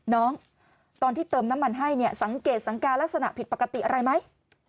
น้องตอนที่เติมน้ำมันให้เนี่ยสังเกตสังการลักษณะผิดปกติอะไรไหม